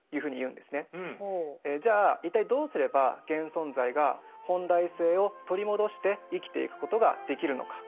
じゃあ一体どうすれば現存在が本来性を取り戻して生きていくことができるのか。